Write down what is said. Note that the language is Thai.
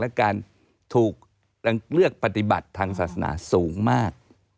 และการถูกเลือกปฏิบัติทางศาสนาสูงมาก